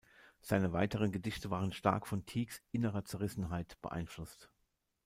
Seine weiteren Gedichte waren stark von Tiecks "innerer Zerrissenheit" beeinflusst.